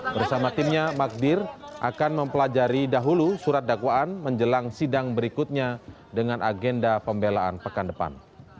bersama timnya magdir akan mempelajari dahulu surat dakwaan menjelang sidang berikutnya dengan agenda pembelaan pekan depan